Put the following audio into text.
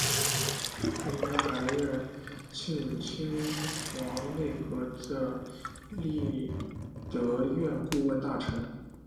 该年他还任庆亲王内阁的弼德院顾问大臣。